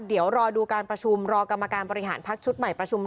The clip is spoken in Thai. เดี๋ยวรอดูการประชุมรอกรรมการบริหารพักชุดใหม่ประชุม